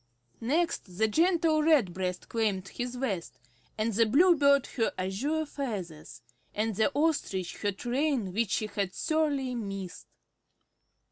Next the gentle Redbreast claimed his vest, and the Bluebird her azure feathers, and the Ostrich her train which she had sorely missed.